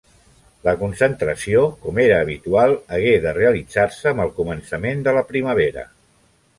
La concentració, com era habitual, hagué de realitzar-se amb el començament de la primavera.